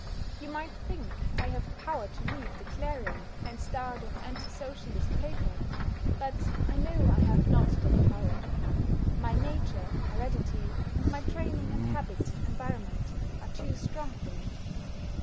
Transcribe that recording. You might think I have power to leave the Clarion and start an anti Socialist paper. But I know I have not that power. My nature (heredity) and my training and habit (environment) are too strong for me.